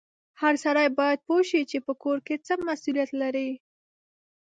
هر سړی باید پوه سي چې په کور کې څه مسولیت لري